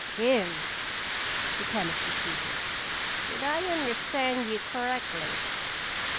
"'Kim,'" the chemist repeated. "Did I understand you correctly?"